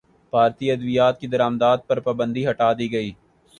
بھارتی ادویات کی درمدات پر پابندی ہٹادی گئی